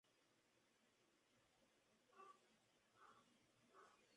Se graduó en la carrera de Ciencias de la Comunicación.